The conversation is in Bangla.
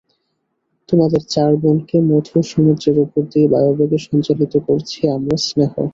তোমাদের চার বোনকে মধু-সমুদ্রের উপর দিয়ে বায়ুবেগে সঞ্চালিত করছি আমার স্নেহ।